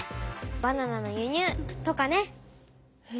バナナの輸入とかね！へ！